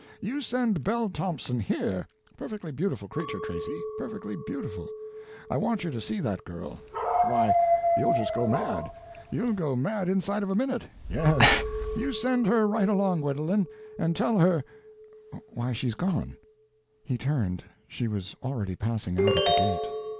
You send Belle Thompson here—perfectly beautiful creature, Tracy, perfectly beautiful; I want you to see that girl; why, you'll just go mad; you'll go mad inside of a minute; yes, you send her right along, Gwendolen, and tell her—why, she's gone!" He turned—she was already passing out at the gate.